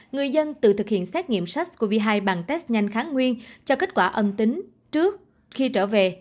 người dân tự thực hiện xét nghiệm sars cov hai bằng test nhanh kháng nguyên cho kết quả âm tính trước khi trở về